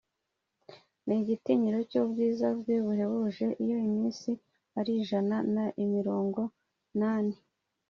n’igitinyiro cy’ubwiza bwe buhebuje, iyo minsi yari ijana na mirongo inani